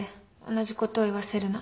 「同じことを言わせるな」